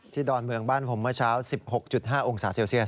ดอนเมืองบ้านผมเมื่อเช้า๑๖๕องศาเซลเซียส